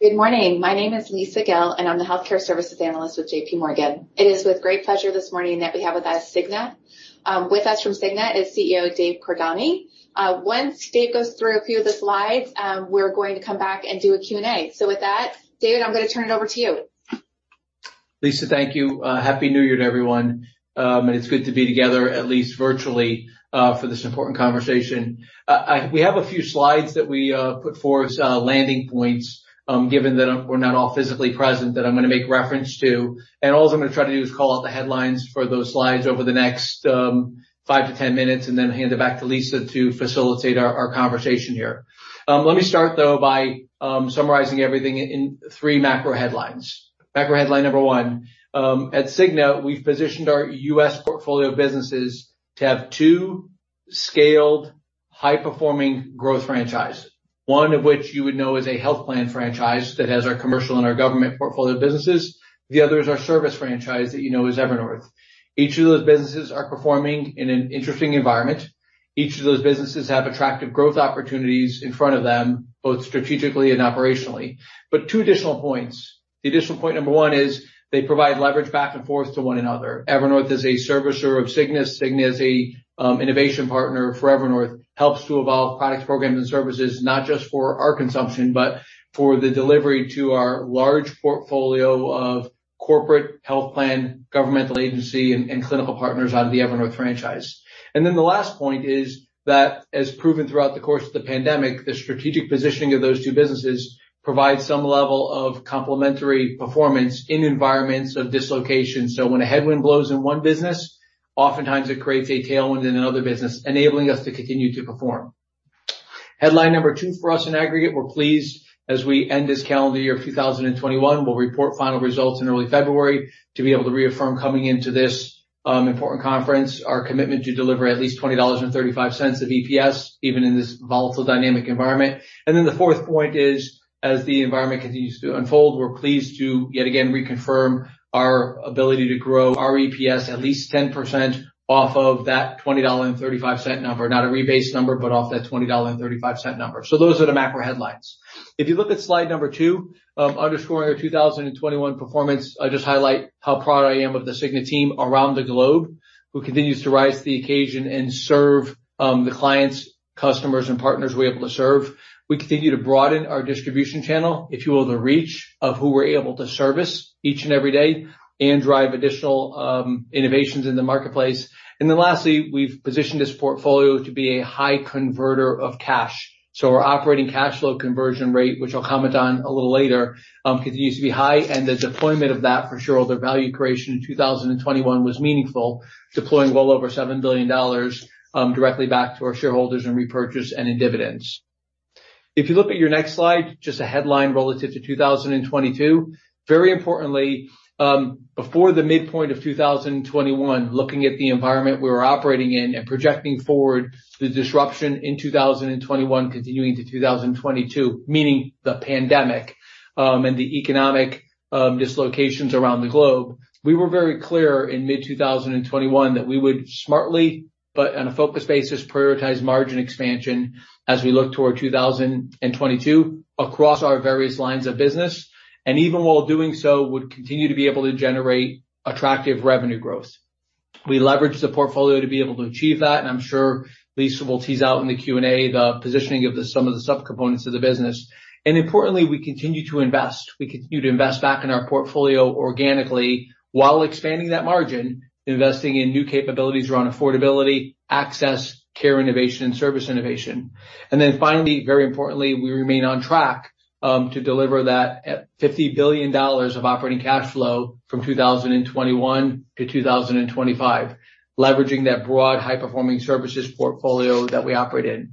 Good morning. My name is Lisa Gill, and I'm the Healthcare Services Analyst with JPMorgan. It is with great pleasure this morning that we have with us Cigna. With us from Cigna is CEO, David Cordani. Once David goes through a few of this live, we're going to come back and do a Q&A. With that, David, I'm going to turn it over to you. Lisa, thank you. Happy New Year to everyone. It's good to be together, at least virtually, for this important conversation. We have a few slides that we put forth, landing points, given that we're not all physically present, that I'm going to make reference to. All I'm going to try to do is call out the headlines for those slides over the next five to 10 minutes and then hand it back to Lisa to facilitate our conversation here. Let me start, though, by summarizing everything in three macro headlines. Macro headline number one, at Cigna, we've positioned our U.S. portfolio of businesses to have two scaled, high-performing growth franchises, one of which you would know is a health plan franchise that has our commercial and our government portfolio businesses. The other is our service franchise that you know is Evernorth. Each of those businesses are performing in an interesting environment. Each of those businesses have attractive growth opportunities in front of them, both strategically and operationally. Two additional points. The additional point number one is they provide leverage back and forth to one another. Evernorth is a servicer of The Cigna Group. The Cigna Group is an innovation partner for Evernorth, helps to evolve products, programs, and services, not just for our consumption, but for the delivery to our large portfolio of corporate health plan, governmental agency, and clinical partners out of the Evernorth franchise. The last point is that, as proven throughout the course of the pandemic, the strategic positioning of those two businesses provides some level of complementary performance in environments of dislocation. When a headwind blows in one business, oftentimes it creates a tailwind in another business, enabling us to continue to perform. Headline number two for us in aggregate, we're pleased. As we end this calendar year of 2021, we'll report final results in early February to be able to reaffirm coming into this important conference our commitment to deliver at least $20.35 of EPS, even in this volatile, dynamic environment. The fourth point is, as the environment continues to unfold, we're pleased to yet again reconfirm our ability to grow our EPS at least 10% off of that $20.35 number, not a rebase number, but off that $20.35 number. Those are the macro headlines. If you look at slide number two, underscoring our 2021 performance, I just highlight how proud I am of the Cigna team around the globe, who continues to rise to the occasion and serve the clients, customers, and partners we're able to serve. We continue to broaden our distribution channel, if you will, the reach of who we're able to service each and every day and drive additional innovations in the marketplace. Lastly, we've positioned this portfolio to be a high converter of cash. Our operating cash flow conversion rate, which I'll comment on a little later, continues to be high. The deployment of that for shareholder value creation in 2021 was meaningful, deploying well over $7 billion directly back to our shareholders in repurchase and in dividends. If you look at your next slide, just a headline relative to 2022. Very importantly, before the midpoint of 2021, looking at the environment we were operating in and projecting forward, the disruption in 2021 continuing to 2022, meaning the pandemic and the economic dislocations around the globe, we were very clear in mid-2021 that we would smartly, but on a focused basis, prioritize margin expansion as we look toward 2022 across our various lines of business. Even while doing so, we would continue to be able to generate attractive revenue growth. We leverage the portfolio to be able to achieve that. I'm sure Lisa will tease out in the Q&A the positioning of some of the subcomponents of the business. Importantly, we continue to invest. We continue to invest back in our portfolio organically while expanding that margin, investing in new capabilities around affordability, access, care innovation, and service innovation. Finally, very importantly, we remain on track to deliver that $50 billion of operating cash flow from 2021-2025, leveraging that broad, high-performing services portfolio that we operate in.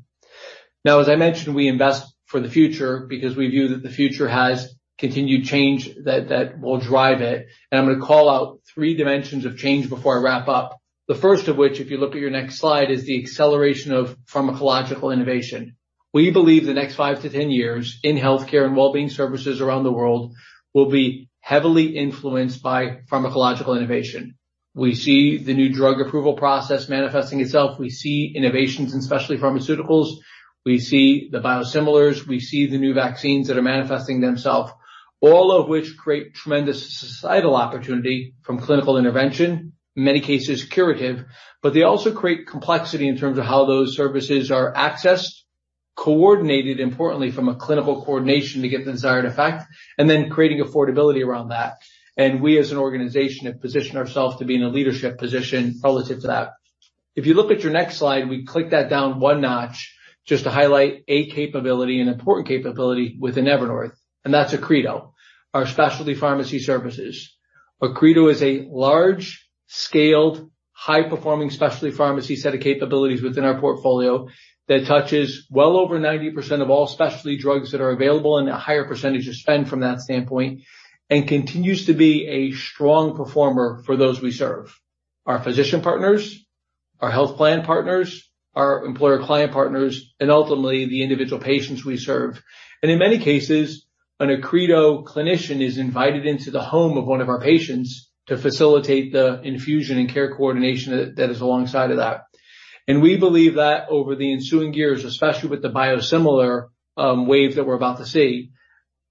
As I mentioned, we invest for the future because we view that the future has continued change that will drive it. I'm going to call out three dimensions of change before I wrap up. The first of which, if you look at your next slide, is the acceleration of pharmacological innovation. We believe the next 5-10 years in health care and well-being services around the world will be heavily influenced by pharmacological innovation. We see the new drug approval process manifesting itself. We see innovations in specialty pharmaceuticals. We see the biosimilars. We see the new vaccines that are manifesting themselves, all of which create tremendous societal opportunity from clinical intervention, in many cases curative. They also create complexity in terms of how those services are accessed, coordinated, importantly, from a clinical coordination to get the desired effect, and then creating affordability around that. We, as an organization, have positioned ourselves to be in a leadership position relative to that. If you look at your next slide, we click that down one notch just to highlight a capability, an important capability within Evernorth. That's Accredo, our specialty pharmacy services. Accredo is a large-scaled, high-performing specialty pharmacy set of capabilities within our portfolio that touches well over 90% of all specialty drugs that are available and a higher percentage of spend from that standpoint, and continues to be a strong performer for those we serve, our physician partners, our health plan partners, our employer-client partners, and ultimately, the individual patients we serve. In many cases, an Accredo clinician is invited into the home of one of our patients to facilitate the infusion and care coordination that is alongside of that. We believe that over the ensuing years, especially with the biosimilar wave that we're about to see,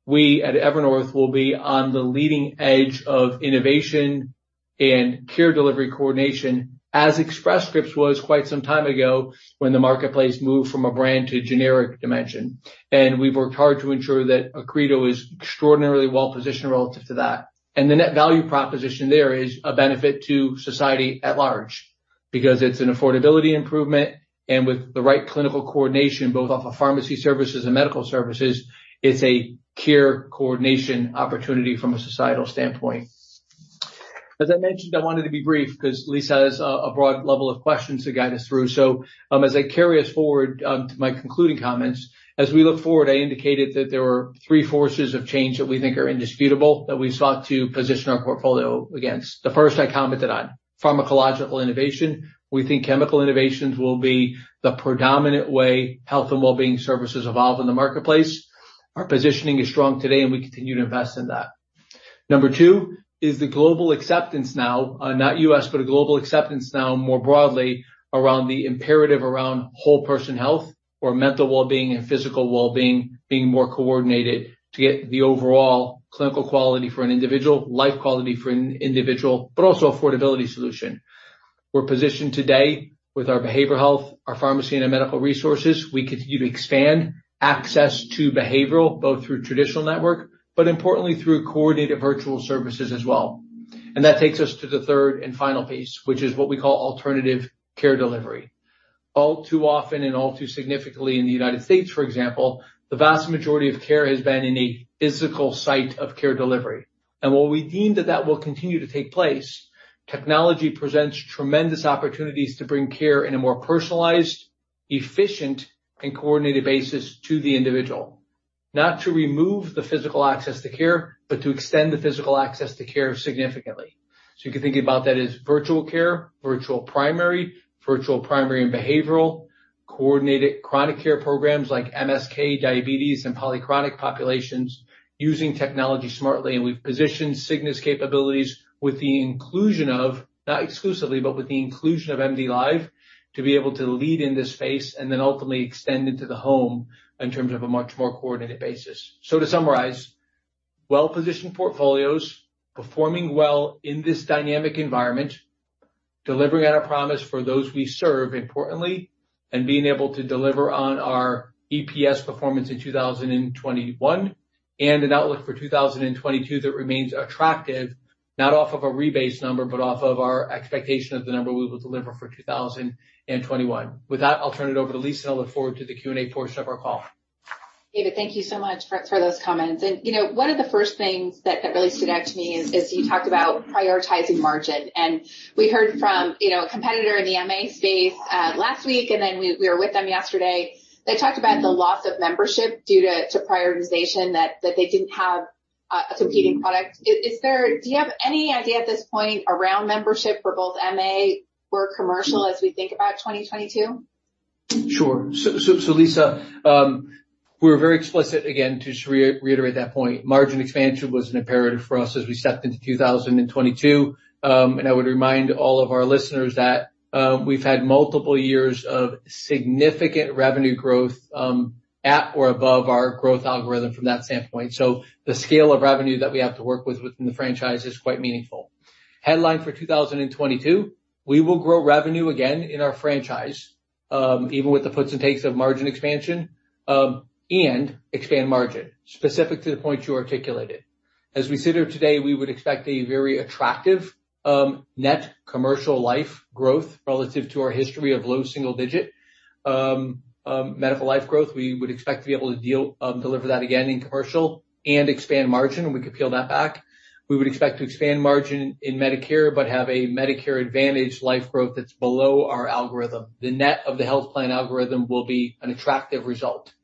we at Evernorth will be on the leading edge of innovation and care delivery coordination, as Express Scripts was quite some time ago when the marketplace moved from a brand to a generic dimension. We've worked hard to ensure that Accredo is extraordinarily well positioned relative to that. The net value proposition there is a benefit to society at large because it's an affordability improvement. With the right clinical coordination, both off of pharmacy services and medical services, it's a care coordination opportunity from a societal standpoint. As I mentioned, I wanted to be brief because Lisa has a broad level of questions to guide us through. As I carry us forward to my concluding comments, as we look forward, I indicated that there were three forces of change that we think are indisputable that we sought to position our portfolio against. The first, I commented on, pharmacological innovation. We think chemical innovations will be the predominant way health and well-being services evolve in the marketplace. Our positioning is strong today, and we continue to invest in that. Number two is the global acceptance now, not U.S., but a global acceptance now more broadly around the imperative around whole person health, or mental well-being and physical well-being being more coordinated to get the overall clinical quality for an individual, life quality for an individual, but also affordability solution. We're positioned today with our behavioral health, our pharmacy, and our medical resources. We continue to expand access to behavioral, both through traditional network, but importantly, through coordinated virtual services as well. That takes us to the third and final piece, which is what we call alternative care delivery. All too often and all too significantly in the United States, for example, the vast majority of care has been in a physical site of care delivery. While we deem that that will continue to take place, technology presents tremendous opportunities to bring care in a more personalized, efficient, and coordinated basis to the individual, not to remove the physical access to care, but to extend the physical access to care significantly. You can think about that as virtual care, virtual primary, virtual primary and behavioral, coordinated chronic care programs like MSK, diabetes, and polychronic populations using technology smartly. We've positioned Cigna's capabilities with the inclusion of, not exclusively, but with the inclusion of MDLIVE to be able to lead in this space and then ultimately extend into the home in terms of a much more coordinated basis. To summarize, well-positioned portfolios performing well in this dynamic environment, delivering on our promise for those we serve, importantly, and being able to deliver on our EPS performance in 2021 and an outlook for 2022 that remains attractive, not off of a rebase number, but off of our expectation of the number we will deliver for 2021. With that, I'll turn it over to Lisa, and I'll look forward to the Q&A portion of our call. David, thank you so much for those comments. One of the first things that really stood out to me is you talked about prioritizing margin. We heard from a competitor in the MA space last week, and we were with them yesterday. They talked about the loss of membership due to prioritization that they didn't have a competing product. Do you have any idea at this point around membership for both MA or commercial as we think about 2022? Sure. Lisa, we're very explicit, again, to just reiterate that point. Margin expansion was an imperative for us as we stepped into 2022. I would remind all of our listeners that we've had multiple years of significant revenue growth at or above our growth algorithm from that standpoint. The scale of revenue that we have to work with within the franchise is quite meaningful. Headline for 2022, we will grow revenue again in our franchise, even with the puts and takes of margin expansion and expand margin, specific to the point you articulated. As we sit here today, we would expect a very attractive net commercial life growth relative to our history of low single-digit medical life growth. We would expect to be able to deliver that again in commercial and expand margin, and we could peel that back. We would expect to expand margin in Medicare, but have a Medicare Advantage life growth that's below our algorithm. The net of the health plan algorithm will be an attractive result.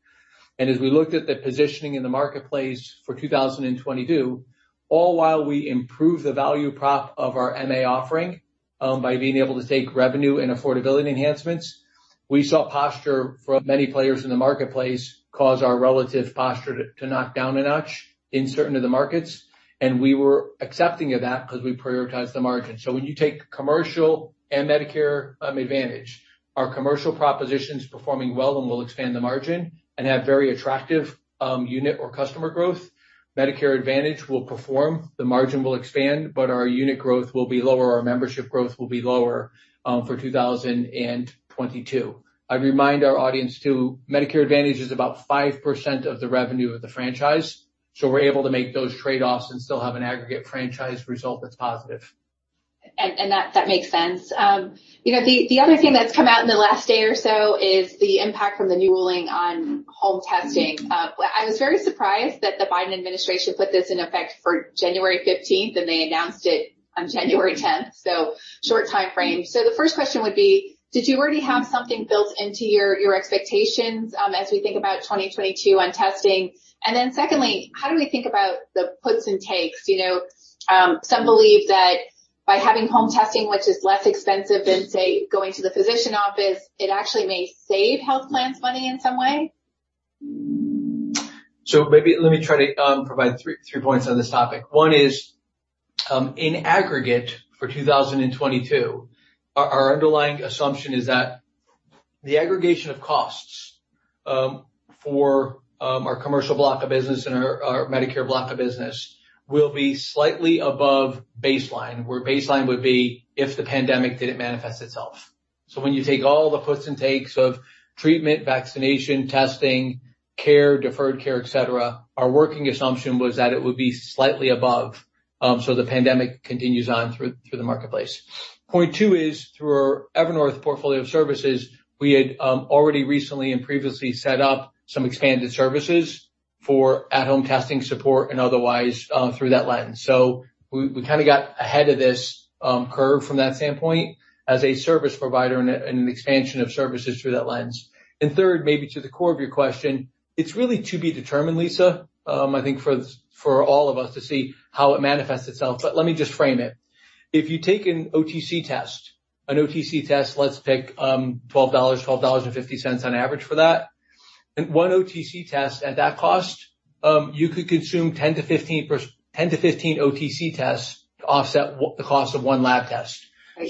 As we looked at the positioning in the marketplace for 2022, all while we improved the value prop of our MA offering by being able to take revenue and affordability enhancements, we saw posture from many players in the marketplace cause our relative posture to knock down a notch in certain of the markets. We were accepting of that because we prioritized the margin. When you take commercial and Medicare Advantage, our commercial proposition is performing well and will expand the margin and have very attractive unit or customer growth. Medicare Advantage will perform. The margin will expand, but our unit growth will be lower. Our membership growth will be lower for 2022. I'd remind our audience too, Medicare Advantage is about 5% of the revenue of the franchise. We're able to make those trade-offs and still have an aggregate franchise result that's positive. That makes sense. You know the other thing that's come out in the last day or so is the impact from the new ruling on at-home testing. I was very surprised that the Biden administration put this in effect for January 15, and they announced it on January 10, such a short time frame. The first question would be, did you already have something built into your expectations as we think about 2022 on testing? Secondly, how do we think about the puts and takes? You know some believe that by having at-home testing, which is less expensive than, say, going to the physician office, it actually may save health plans money in some way. Let me try to provide three points on this topic. One is, in aggregate for 2022, our underlying assumption is that the aggregation of costs for our commercial block of business and our Medicare block of business will be slightly above baseline, where baseline would be if the pandemic didn't manifest itself. When you take all the puts and takes of treatment, vaccination, testing, care, deferred care, etc., our working assumption was that it would be slightly above, so the pandemic continues on through the marketplace. Point two is, through our Evernorth portfolio of services, we had already recently and previously set up some expanded services for at-home testing support and otherwise through that lens. We kind of got ahead of this curve from that standpoint as a service provider and an expansion of services through that lens. Third, maybe to the core of your question, it's really to be determined, Lisa, I think, for all of us to see how it manifests itself. Let me just frame it. If you take an OTC test, an OTC test, let's pick $12, $12.50 on average for that, and one OTC test at that cost, you could consume 10 to 15 OTC tests to offset the cost of one lab test.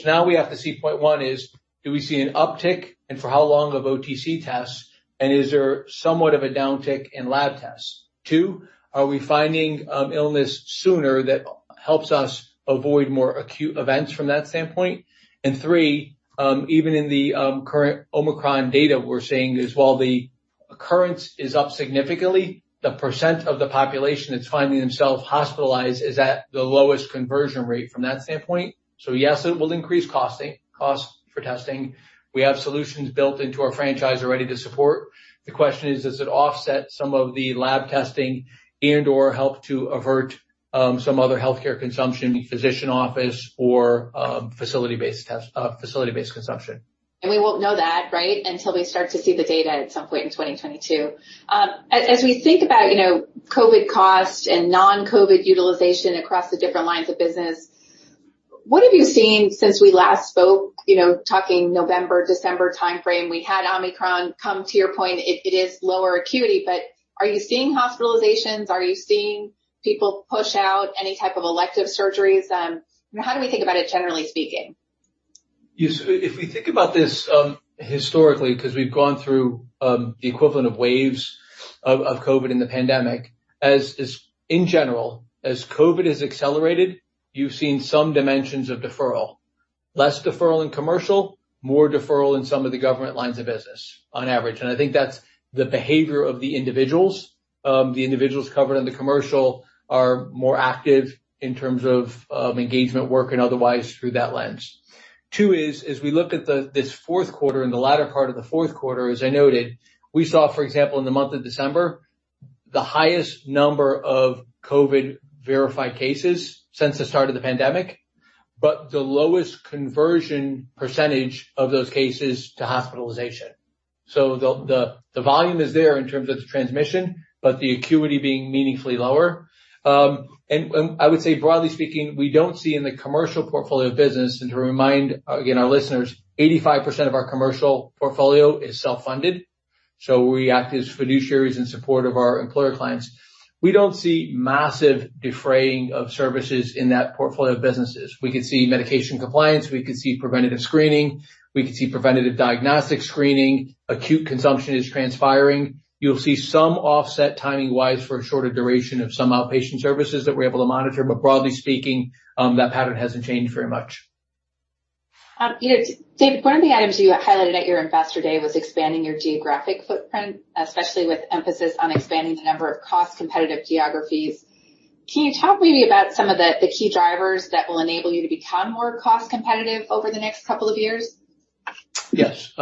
Now we have to see, point one is, do we see an uptick and for how long of OTC tests? Is there somewhat of a downtick in lab tests? Two, are we finding illness sooner that helps us avoid more acute events from that standpoint? Three, even in the current Omicron data, we're saying is while the occurrence is up significantly, the percentage of the population that's finding themselves hospitalized is at the lowest conversion rate from that standpoint. Yes, it will increase costs for testing. We have solutions built into our franchise already to support. The question is, does it offset some of the lab testing and/or help to avert some other health care consumption, physician office or facility-based consumption? We won't know that, right, until we start to see the data at some point in 2022. As we think about COVID cost and non-COVID utilization across the different lines of business, what have you seen since we last spoke? Talking November, December time frame, we had Omicron come. To your point, it is lower acuity, but are you seeing hospitalizations? Are you seeing people push out any type of elective surgeries? How do we think about it, generally speaking? If we think about this historically, because we've gone through the equivalent of waves of COVID in the pandemic, in general, as COVID has accelerated, you've seen some dimensions of deferral, less deferral in commercial, more deferral in some of the government lines of business on average. I think that's the behavior of the individuals. The individuals covered on the commercial are more active in terms of engagement work and otherwise through that lens. Two is, as we look at this fourth quarter and the latter part of the fourth quarter, as I noted, we saw, for example, in the month of December, the highest number of COVID verified cases since the start of the pandemic, but the lowest conversion percentage of those cases to hospitalization. The volume is there in terms of the transmission, but the acuity being meaningfully lower. I would say, broadly speaking, we don't see in the commercial portfolio of business, and to remind our listeners, 85% of our commercial portfolio is self-funded. We act as fiduciaries in support of our employer clients. We don't see massive defraying of services in that portfolio of businesses. We could see medication compliance. We could see preventative screening. We could see preventative diagnostic screening. Acute consumption is transpiring. You'll see some offset timing-wise for a shorter duration of some outpatient services that we're able to monitor. Broadly speaking, that pattern hasn't changed very much. David, one of the items you highlighted at your Ambassador Day was expanding your geographic footprint, especially with emphasis on expanding the number of cost-competitive geographies. Can you talk maybe about some of the key drivers that will enable you to become more cost-competitive over the next couple of years? Yes.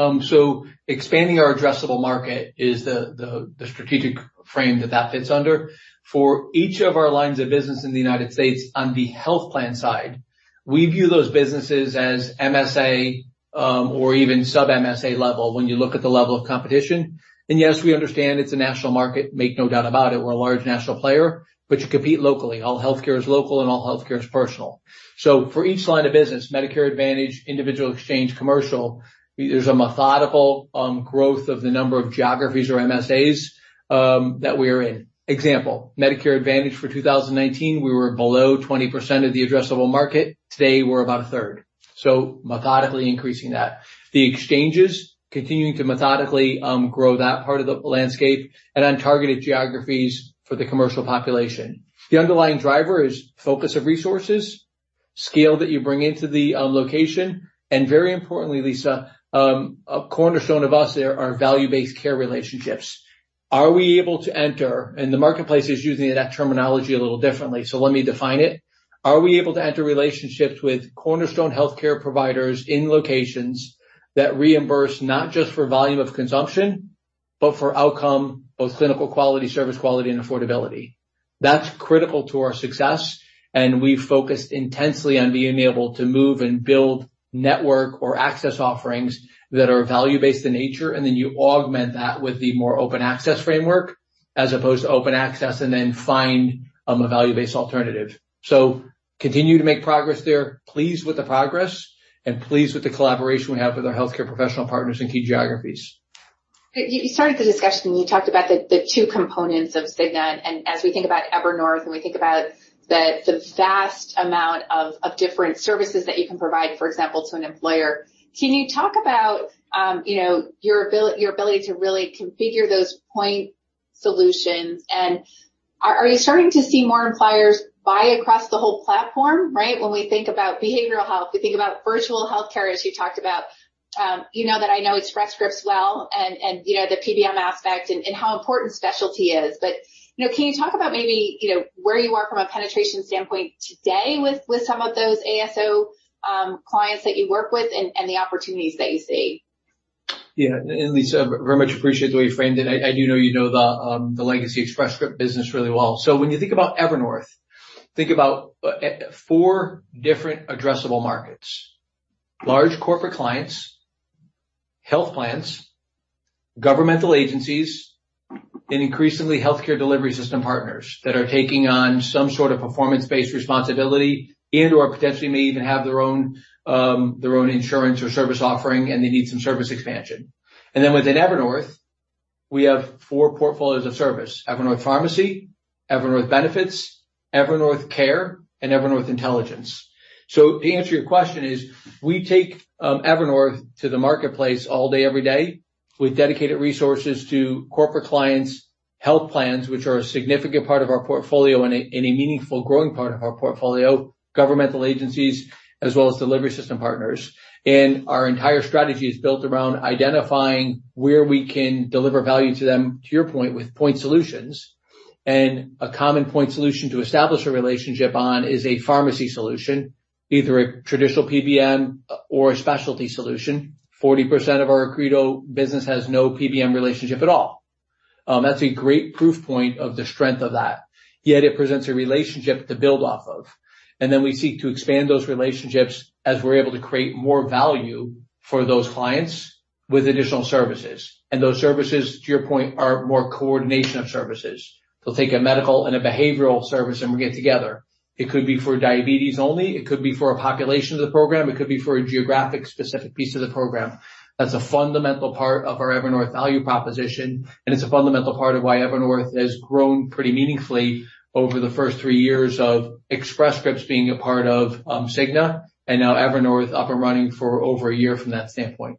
Expanding our addressable market is the strategic frame that that fits under. For each of our lines of business in the United States on the health plan side, we view those businesses as MSA or even sub-MSA level when you look at the level of competition. Yes, we understand it's a national market. Make no doubt about it. We're a large national player, but you compete locally. All health care is local, and all health care is personal. For each line of business, Medicare Advantage, individual exchange, commercial, there's a methodical growth of the number of geographies or MSAs that we are in. Example, Medicare Advantage for 2019, we were below 20% of the addressable market. Today, we're about a third. Methodically increasing that. The exchanges continuing to methodically grow that part of the landscape and on targeted geographies for the commercial population. The underlying driver is focus of resources, scale that you bring into the location, and very importantly, Lisa, a cornerstone of us there are value-based care relationships. Are we able to enter, and the marketplace is using that terminology a little differently, so let me define it. Are we able to enter relationships with cornerstone health care providers in locations that reimburse not just for volume of consumption, but for outcome, both clinical quality, service quality, and affordability? That's critical to our success. We've focused intensely on being able to move and build network or access offerings that are value-based in nature. You augment that with the more open access framework, as opposed to open access and then find a value-based alternative. Continue to make progress there. Pleased with the progress and pleased with the collaboration we have with our health care professional partners in key geographies. You started the discussion, and you talked about the two components of Cigna. As we think about Evernorth and we think about the vast amount of different services that you can provide, for example, to an employer, can you talk about your ability to really configure those point solutions? Are you starting to see more employers buy across the whole platform, right? When we think about behavioral care, we think about virtual care, as you talked about, you know that I know Express Scripts well and the PBM aspect and how important specialty is. Can you talk about maybe where you are from a penetration standpoint today with some of those ASO clients that you work with and the opportunities that you see? Yeah. Lisa, very much appreciate the way you framed it. I do know you know the legacy Express Scripts business really well. When you think about Evernorth, think about four different addressable markets: large corporate clients, health plans, governmental agencies, and increasingly health care delivery system partners that are taking on some sort of performance-based responsibility and/or potentially may even have their own insurance or service offering, and they need some service expansion. Within Evernorth, we have four portfolios of service: Evernorth Pharmacy, Evernorth Benefits, Evernorth Care, and Evernorth Intelligence. To answer your question, we take Evernorth to the marketplace all day, every day, with dedicated resources to corporate clients, health plans, which are a significant part of our portfolio and a meaningful growing part of our portfolio, governmental agencies, as well as delivery system partners. Our entire strategy is built around identifying where we can deliver value to them, to your point, with point solutions. A common point solution to establish a relationship on is a pharmacy solution, either a traditional PBM or a specialty solution. 40% of our Accredo business has no PBM relationship at all. That's a great proof point of the strength of that. Yet it presents a relationship to build off of. We seek to expand those relationships as we're able to create more value for those clients with additional services. Those services, to your point, are more coordination of services. They'll take a medical and a behavioral service, and we'll get together. It could be for diabetes only. It could be for a population of the program. It could be for a geographic-specific piece of the program. That's a fundamental part of our Evernorth value proposition. It's a fundamental part of why Evernorth has grown pretty meaningfully over the first three years of Express Scripts being a part of The Cigna Group, and now Evernorth up and running for over a year from that standpoint.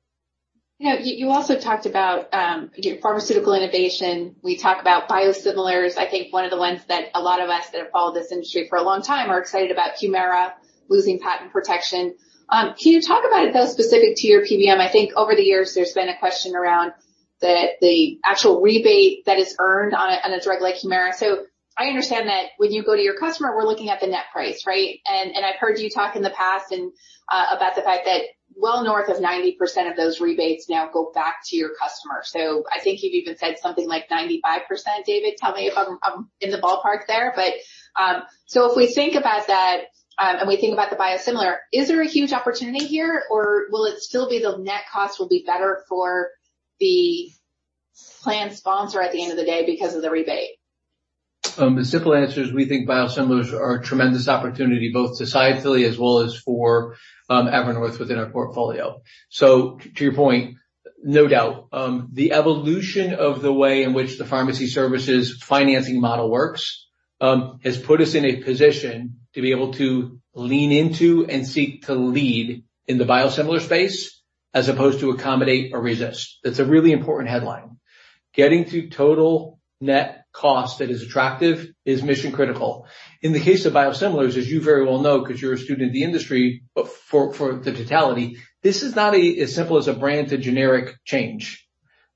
You also talked about your pharmaceutical innovation. We talk about biosimilars. I think one of the ones that a lot of us that have followed this industry for a long time are excited about Humira losing patent protection. Can you talk about those specific to your PBM? I think over the years, there's been a question around the actual rebate that is earned on a drug like Humira. I understand that when you go to your customer, we're looking at the net price, right? I've heard you talk in the past about the fact that well north of 90% of those rebates now go back to your customer. I think you've even said something like 95%, David. Tell me if I'm in the ballpark there. If we think about that and we think about the biosimilar, is there a huge opportunity here, or will it still be the net cost will be better for the plan sponsor at the end of the day because of the rebate? The simple answer is we think biosimilars are a tremendous opportunity, both societally as well as for Evernorth within our portfolio. To your point, no doubt. The evolution of the way in which the pharmacy services financing model works has put us in a position to be able to lean into and seek to lead in the biosimilar space, as opposed to accommodate or resist. That's a really important headline. Getting to total net cost that is attractive is mission critical. In the case of biosimilars, as you very well know, because you're a student in the industry, but for the totality, this is not as simple as a brand to generic change.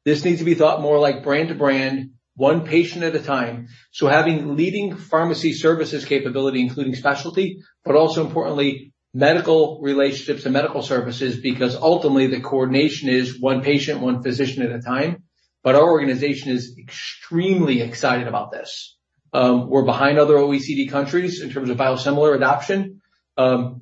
This needs to be thought more like brand to brand, one patient at a time. Having leading pharmacy services capability, including specialty, but also importantly, medical relationships and medical services, because ultimately, the coordination is one patient, one physician at a time. Our organization is extremely excited about this. We're behind other OECD countries in terms of biosimilar adoption.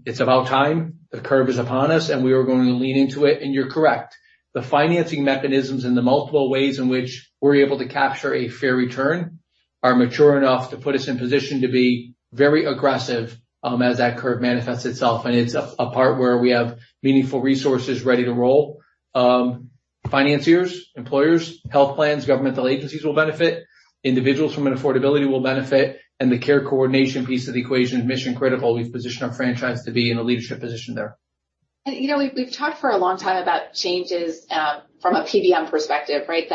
It's about time. The curve is upon us, and we are going to lean into it. You're correct. The financing mechanisms and the multiple ways in which we're able to capture a fair return are mature enough to put us in position to be very aggressive as that curve manifests itself. It's a part where we have meaningful resources ready to roll. Financiers, employers, health plans, governmental agencies will benefit. Individuals from an affordability will benefit. The care coordination piece of the equation is mission critical. We've positioned our franchise to be in a leadership position there. We have talked for a long time about changes from a PBM perspective, right?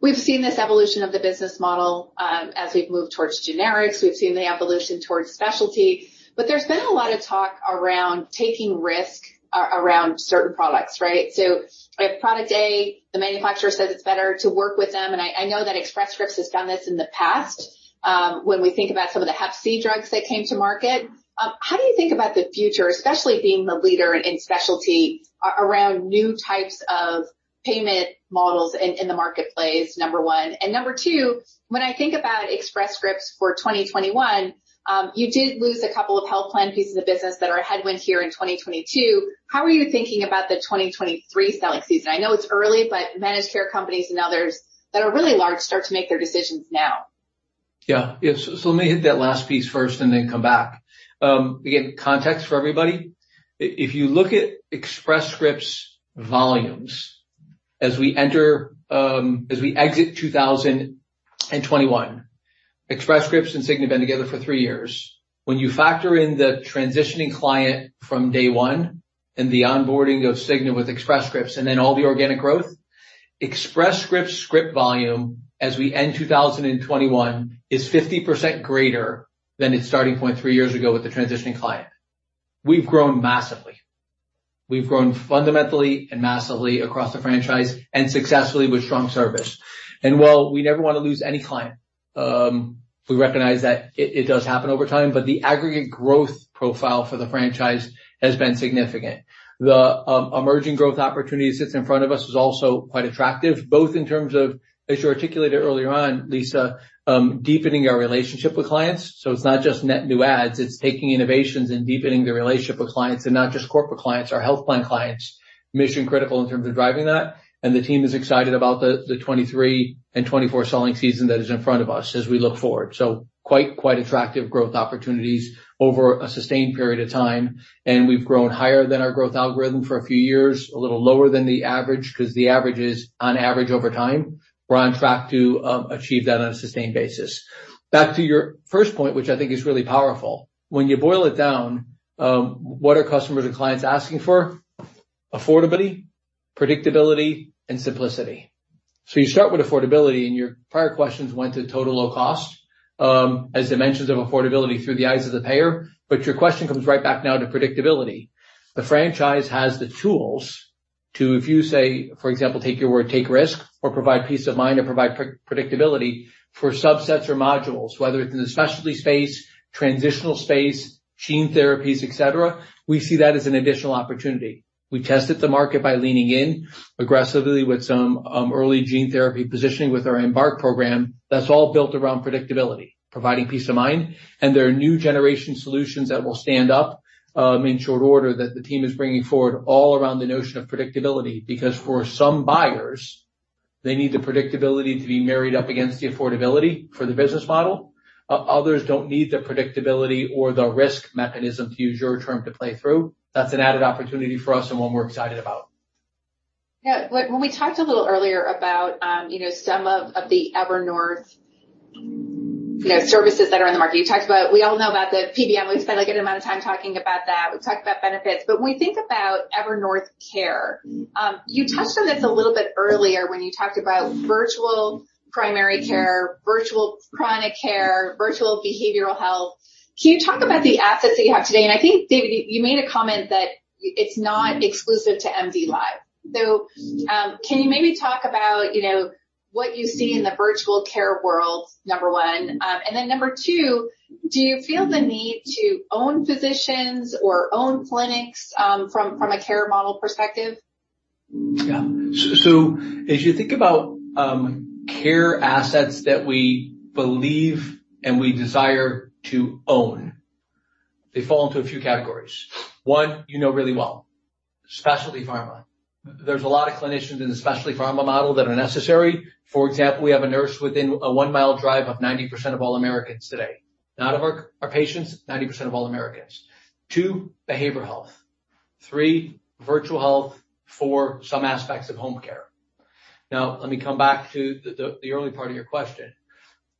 We have seen this evolution of the business model as we have moved towards generics. We have seen the evolution towards specialty. There has been a lot of talk around taking risks around certain products, right? If product A, the manufacturer says it is better to work with them, and I know that Express Scripts has done this in the past when we think about some of the hep C drugs that came to market. How do you think about the future, especially being the leader in specialty around new types of payment models in the marketplace, number one? Number two, when I think about Express Scripts for 2021, you did lose a couple of health plan pieces of the business that are a headwind here in 2022. How are you thinking about the 2023 selling season? I know it is early, but managed care companies and others that are really large start to make their decisions now. Yeah. Let me hit that last piece first and then come back. Again, context for everybody. If you look at Express Scripts volumes as we exit 2021, Express Scripts and Cigna have been together for three years. When you factor in the transitioning client from day one and the onboarding of Cigna with Express Scripts and then all the organic growth, Express Scripts script volume as we end 2021 is 50% greater than its starting point three years ago with the transitioning client. We've grown massively. We've grown fundamentally and massively across the franchise and successfully with strong service. While we never want to lose any client, we recognize that it does happen over time. The aggregate growth profile for the franchise has been significant. The emerging growth opportunity that sits in front of us was also quite attractive, both in terms of, as you articulated earlier on, Lisa, deepening our relationship with clients. It's not just net new ads. It's taking innovations and deepening the relationship with clients and not just corporate clients, our health plan clients. Mission critical in terms of driving that. The team is excited about the 2023 and 2024 selling season that is in front of us as we look forward. Quite attractive growth opportunities over a sustained period of time. We've grown higher than our growth algorithm for a few years, a little lower than the average because the average is on average over time. We're on track to achieve that on a sustained basis. Back to your first point, which I think is really powerful. When you boil it down, what are customers and clients asking for? Affordability, predictability, and simplicity. You start with affordability, and your prior questions went to total low cost as dimensions of affordability through the eyes of the payer. Your question comes right back now to predictability. The franchise has the tools to, if you say, for example, take your word, take risk or provide peace of mind or provide predictability for subsets or modules, whether it's in the specialty space, transitional space, gene therapies, etc. We see that as an additional opportunity. We tested the market by leaning in aggressively with some early gene therapy positioning with our Embark program. That's all built around predictability, providing peace of mind. There are new generation solutions that will stand up in short order that the team is bringing forward all around the notion of predictability because for some buyers, they need the predictability to be married up against the affordability for the business model. Others don't need the predictability or the risk mechanism, to use your term, to play through. That's an added opportunity for us and one we're excited about. Yeah. When we talked a little earlier about some of the Evernorth services that are in the market, you talked about we all know about the PBM. We spent a good amount of time talking about that. We've talked about benefits. When we think about Evernorth Care, you touched on this a little bit earlier when you talked about virtual primary care, virtual chronic care, virtual behavioral health. Can you talk about the assets that you have today? I think, David, you made a comment that it's not exclusive to MDLIVE. Can you maybe talk about what you see in the virtual care world, number one? Number two, do you feel the need to own physicians or own clinics from a care model perspective? Yeah. As you think about care assets that we believe and we desire to own, they fall into a few categories. One, you know really well, specialty pharmacy. There are a lot of clinicians in the specialty pharmacy model that are necessary. For example, we have a nurse within a one-mile drive of 90% of all Americans today. Not of our patients, 90% of all Americans. Two, behavioral health. Three, virtual health. Four, some aspects of home care. Now, let me come back to the early part of your question.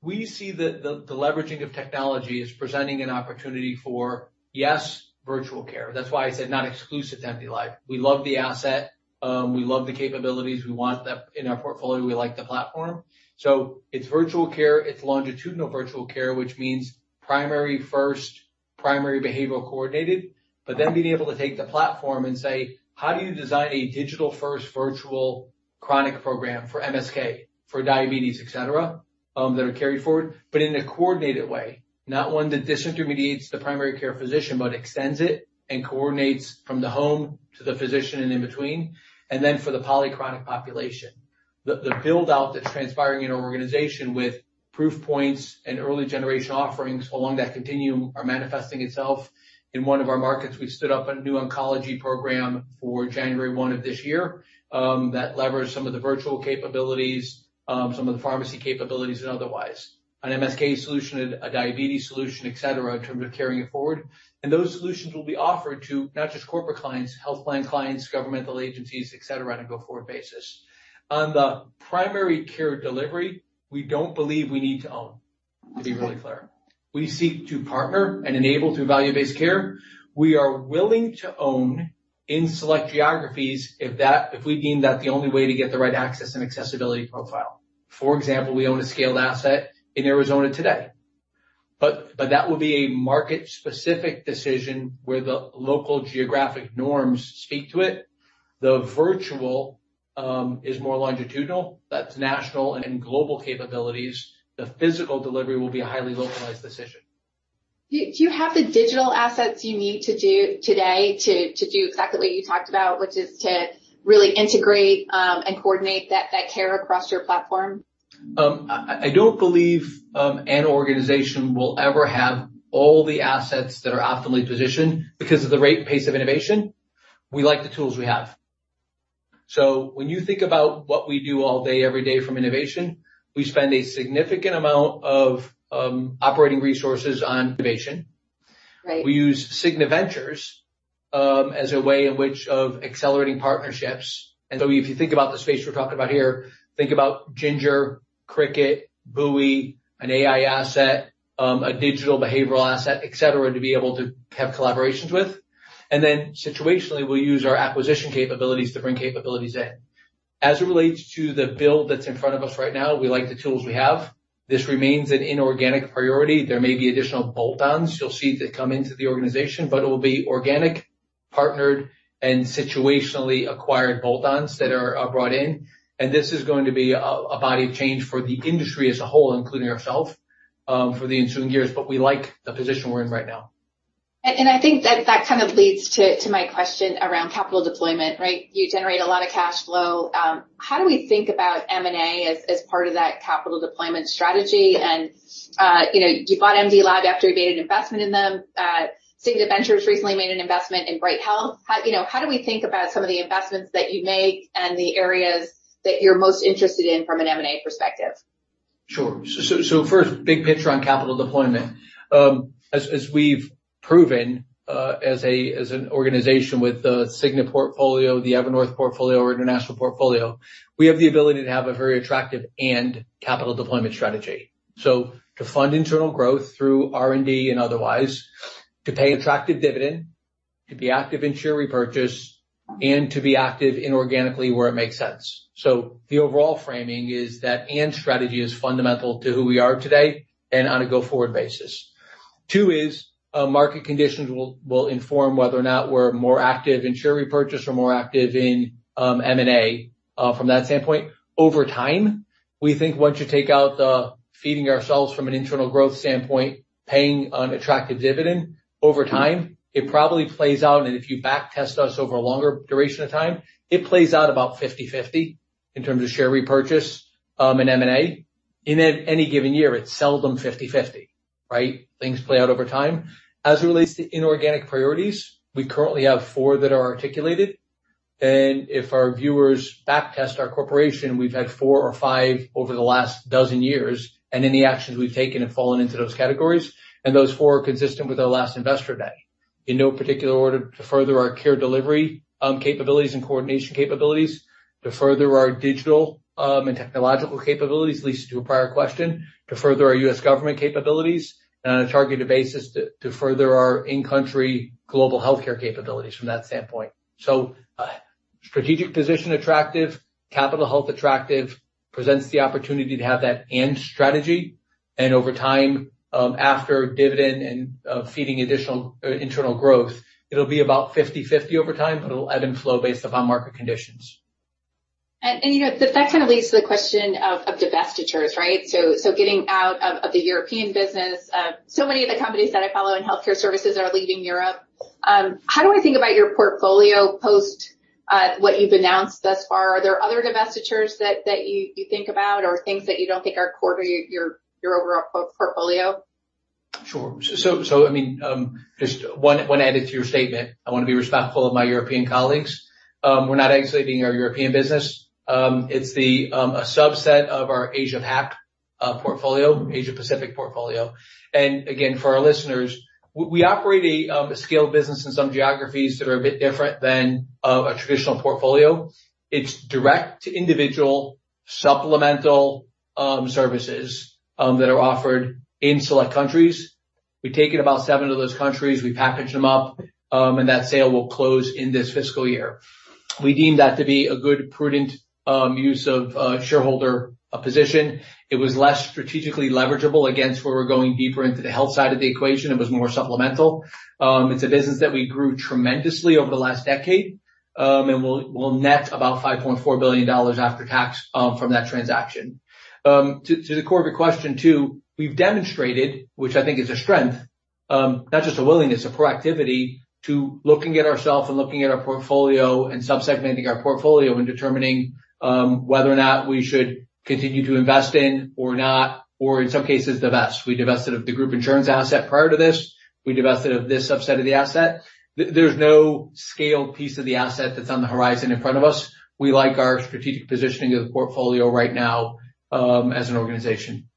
We see that the leveraging of technology is presenting an opportunity for, yes, virtual care. That's why I said not exclusive to MDLIVE. We love the asset. We love the capabilities. We want that in our portfolio. We like the platform. It's virtual care. It's longitudinal virtual care, which means primary first, primary behavioral coordinated, but then being able to take the platform and say, how do you design a digital-first virtual chronic program for MSK, for diabetes, etc., that are carried forward, but in a coordinated way, not one that disintermediates the primary care physician, but extends it and coordinates from the home to the physician and in between, and then for the polychronic population. The build-out that's transpiring in our organization with proof points and early generation offerings along that continuum are manifesting itself. In one of our markets, we've stood up a new oncology program for January 1 of this year that levers some of the virtual capabilities, some of the pharmacy capabilities, and otherwise. An MSK solution, a diabetes solution, etc., in terms of carrying it forward. Those solutions will be offered to not just corporate clients, health plan clients, governmental agencies, etc., on a go-forward basis. On the primary care delivery, we don't believe we need to own, to be really clear. We seek to partner and enable through value-based care. We are willing to own in select geographies if we deem that the only way to get the right access and accessibility profile. For example, we own a scaled asset in Arizona today. That will be a market-specific decision where the local geographic norms speak to it. The virtual is more longitudinal. That's national and global capabilities. The physical delivery will be a highly localized decision. Do you have the digital assets you need today to do exactly what you talked about, which is to really integrate and coordinate that care across your platform? I don't believe an organization will ever have all the assets that are optimally positioned because of the rate and pace of innovation. We like the tools we have. When you think about what we do all day, every day from innovation, we spend a significant amount of operating resources on innovation. We use Cigna Ventures as a way of accelerating partnerships. If you think about the space we're talking about here, think about Ginger, Cricket, BUI, an AI asset, a digital behavioral asset, etc., to be able to have collaborations with. Situationally, we'll use our acquisition capabilities to bring capabilities in. As it relates to the bill that's in front of us right now, we like the tools we have. This remains an inorganic priority. There may be additional bolt-ons you'll see that come into the organization, but it will be organic, partnered, and situationally acquired bolt-ons that are brought in. This is going to be a body of change for the industry as a whole, including ourselves for the ensuing years. We like the position we're in right now. I think that kind of leads to my question around capital deployment, right? You generate a lot of cash flow. How do we think about M&A as part of that capital deployment strategy? You bought MDLIVE after you made an investment in them. Cigna Ventures recently made an investment in Bright Health. How do we think about some of the investments that you make and the areas that you're most interested in from an M&A perspective? Sure. First, big picture on capital deployment. As we've proven as an organization with the Cigna portfolio, the Evernorth portfolio, or international portfolio, we have the ability to have a very attractive and capital deployment strategy. To fund internal growth through R&D and otherwise, to pay attractive dividend, to be active in share repurchase, and to be active inorganically where it makes sense. The overall framing is that and strategy is fundamental to who we are today and on a go-forward basis. Two is market conditions will inform whether or not we're more active in share repurchase or more active in M&A from that standpoint. Over time, we think once you take out the feeding ourselves from an internal growth standpoint, paying an attractive dividend, over time, it probably plays out. If you backtest us over a longer duration of time, it plays out about 50/50 in terms of share repurchase and M&A. At any given year, it's seldom 50/50, right? Things play out over time. As it relates to inorganic priorities, we currently have four that are articulated. If our viewers backtest our corporation, we've had four or five over the last dozen years. Any actions we've taken have fallen into those categories. Those four are consistent with our last investor day. In no particular order, the further our care delivery capabilities and coordination capabilities, the further our digital and technological capabilities, at least to a prior question, the further our U.S. government capabilities, and on a targeted basis, the further our in-country global health care capabilities from that standpoint. Strategic position attractive, capital health attractive, presents the opportunity to have that and strategy. Over time, after dividend and feeding additional internal growth, it'll be about 50/50 over time, but it'll ebb and flow based upon market conditions. That kind of leads to the question of divestitures, right? Getting out of the European business, so many of the companies that I follow in health care services are leaving Europe. How do I think about your portfolio post what you've announced thus far? Are there other divestitures that you think about or things that you don't think are core to your overall portfolio? Sure. Just one added to your statement, I want to be respectful of my European colleagues. We're not isolating our European business. It's a subset of our Asia Pacific portfolio. Again, for our listeners, we operate a scaled business in some geographies that are a bit different than a traditional portfolio. It's direct to individual supplemental services that are offered in select countries. We take in about seven of those countries, we package them up, and that sale will close in this fiscal year. We deem that to be a good, prudent use of shareholder position. It was less strategically leverageable against where we're going deeper into the health side of the equation. It was more supplemental. It's a business that we grew tremendously over the last decade. We'll net about $5.4 billion after tax from that transaction. To the core of your question, too, we've demonstrated, which I think is a strength, not just a willingness, a proactivity to looking at ourselves and looking at our portfolio and subsegmenting our portfolio and determining whether or not we should continue to invest in or not, or in some cases, divest. We divested of the group insurance asset prior to this. We divested of this subset of the asset. There's no scaled piece of the asset that's on the horizon in front of us. We like our strategic positioning of the portfolio right now as an organization.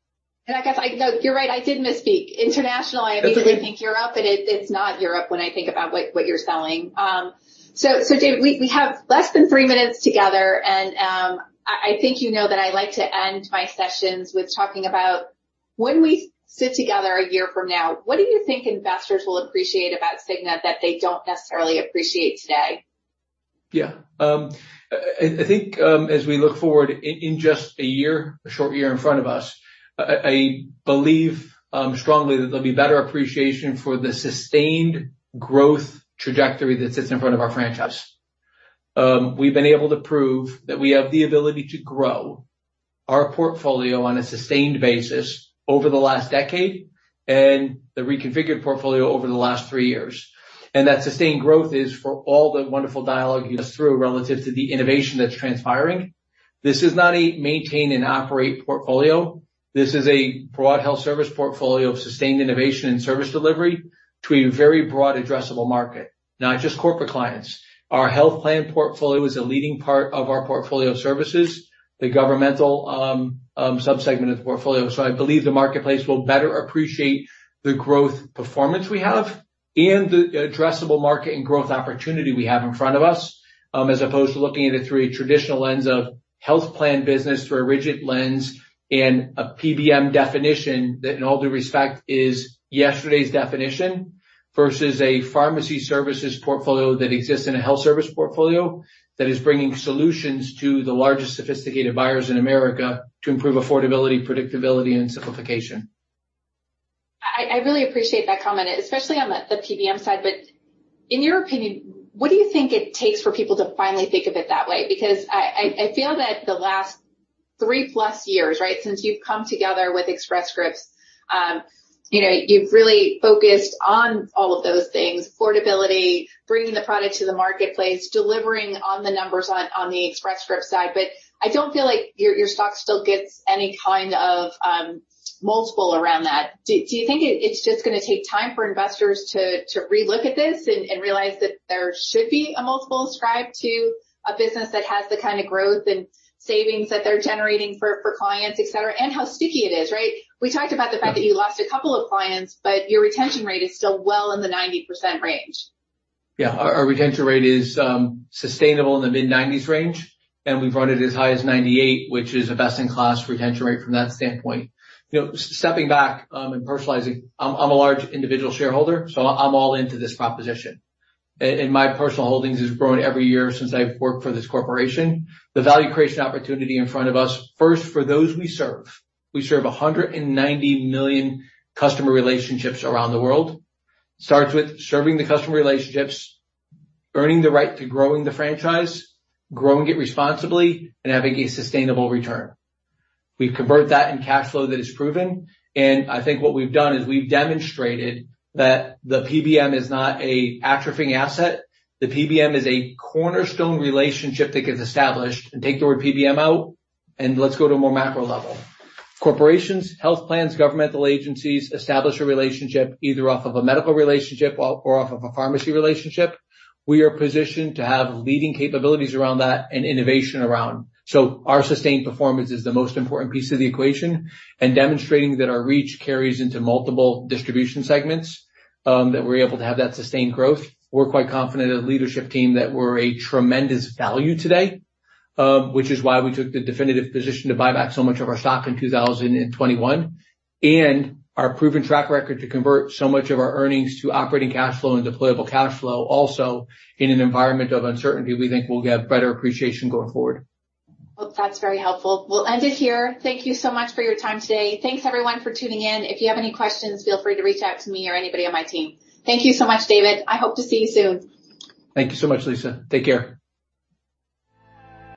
I know you're right. I did misspeak. Internationally, I mean, I think Europe, but it's not Europe when I think about what you're selling. David, we have less than three minutes together. I think you know that I like to end my sessions with talking about when we sit together a year from now, what do you think investors will appreciate about Cigna that they don't necessarily appreciate today? Yeah. I think as we look forward in just a year, a short year in front of us, I believe strongly that there'll be better appreciation for the sustained growth trajectory that sits in front of our franchise. We've been able to prove that we have the ability to grow our portfolio on a sustained basis over the last decade and the reconfigured portfolio over the last three years. That sustained growth is for all the wonderful dialogue you just threw relative to the innovation that's transpiring. This is not a maintain and operate portfolio. This is a broad health service portfolio of sustained innovation and service delivery to a very broad addressable market, not just corporate clients. Our health plan portfolio is a leading part of our portfolio of services, the governmental subsegment of the portfolio. I believe the marketplace will better appreciate the growth performance we have and the addressable market and growth opportunity we have in front of us, as opposed to looking at it through a traditional lens of health plan business through a rigid lens and a PBM definition that, in all due respect, is yesterday's definition versus a pharmacy services portfolio that exists in a health service portfolio that is bringing solutions to the largest sophisticated buyers in America to improve affordability, predictability, and simplification. I really appreciate that comment, especially on the PBM side. In your opinion, what do you think it takes for people to finally think of it that way? I feel that the last 3+ years, right, since you've come together with Express Scripts, you've really focused on all of those things: affordability, bringing the product to the marketplace, delivering on the numbers on the Express Scripts side. I don't feel like your stock still gets any kind of multiple around that. Do you think it's just going to take time for investors to relook at this and realize that there should be a multiple ascribed to a business that has the kind of growth and savings that they're generating for clients, etc., and how sticky it is, right? We talked about the fact that you lost a couple of clients, but your retention rate is still well in the 90% range. Yeah. Our retention rate is sustainable in the mid-90% range. We've run it as high as 98%, which is a best-in-class retention rate from that standpoint. Stepping back and personalizing, I'm a large individual shareholder. I'm all into this proposition, and my personal holdings have grown every year since I've worked for this corporation. The value creation opportunity in front of us, first, for those we serve. We serve 190 million customer relationships around the world. It starts with serving the customer relationships, earning the right to growing the franchise, growing it responsibly, and having a sustainable return. We've converted that in cash flow that is proven. I think what we've done is we've demonstrated that the PBM is not an atrophying asset. The PBM is a cornerstone relationship that gets established. Take the word PBM out, and let's go to a more macro level. Corporations, health plans, governmental agencies establish a relationship either off of a medical relationship or off of a pharmacy relationship. We are positioned to have leading capabilities around that and innovation around. Our sustained performance is the most important piece of the equation and demonstrating that our reach carries into multiple distribution segments, that we're able to have that sustained growth. We're quite confident in the leadership team that we're a tremendous value today, which is why we took the definitive position to buy back so much of our stock in 2021 and our proven track record to convert so much of our earnings to operating cash flow and deployable cash flow also in an environment of uncertainty we think will get better appreciation going forward. That's very helpful. We'll end it here. Thank you so much for your time today. Thanks, everyone, for tuning in. If you have any questions, feel free to reach out to me or anybody on my team. Thank you so much, David. I hope to see you soon. Thank you so much, Lisa. Take care.